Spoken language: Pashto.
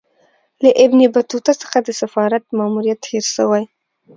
له ابن بطوطه څخه د سفارت ماموریت هېر سوی.